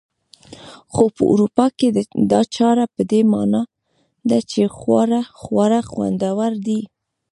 خو په اروپا کې دا چاره په دې مانا ده چې خواړه خوندور دي.